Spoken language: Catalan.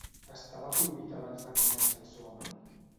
Estava cohibit abans de conèixer al seu amant?